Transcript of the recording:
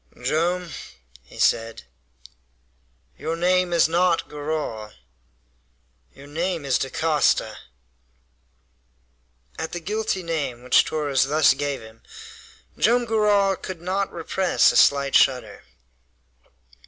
"Joam," he said, "your name is not Garral. Your name is Dacosta!" At the guilty name which Torres thus gave him, Joam Garral could not repress a slight shudder.